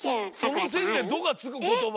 その線で「ド」がつくことば。